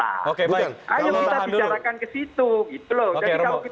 ayo kita bicarakan ke situ gitu loh